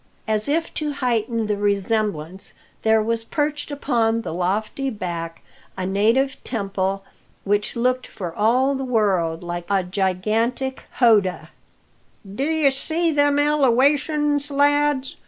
As if to heighten the resemblance, there was perched upon the lofty back a native temple, which looked for all the world like a gigantic howdah. "D'ye see them elewations, lads?"